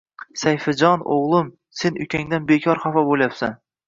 “Sayfijon, o‘g‘lim, sen ukangdan bekor xafa bo‘lyapsan